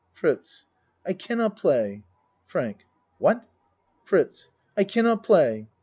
FRITZ I cannot play. FRANK What? FRITZ I cannot play.